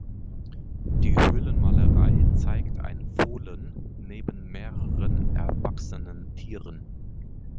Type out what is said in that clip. Die Höhlenmalerei zeigt ein Fohlen neben mehreren erwachsenen Tieren.